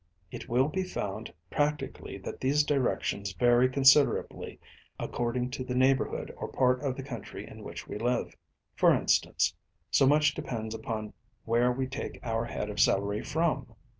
It will be found practically that these directions vary considerably according to the neighbourhood or part of the country in which we live. For instance, so much depends upon where we take our head of celery from.